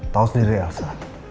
tahu sendiri elsa